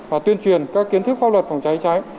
và tuyên truyền các kiến thức pháp luật phòng cháy cháy